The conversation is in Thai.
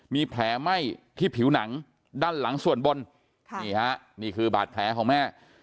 มีแผลไหม้ที่ผิวหนังด้านหลังส่วนบนนี่ฮะนี่คือบาดแผลของแม่